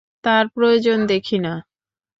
তার প্রয়োজন দেখি না।